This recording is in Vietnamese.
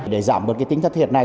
để giảm một cái tính thất thiệt này